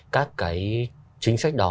các cái chính sách đó